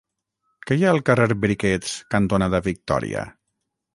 Què hi ha al carrer Briquets cantonada Victòria?